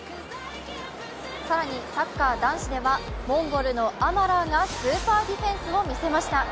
更にサッカー男子ではモンゴルのアマラーがスーパーディフェンスをみせました。